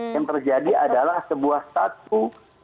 yang terjadi adalah sebuah satu